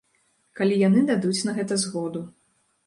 Калі яны дадуць на гэта згоду.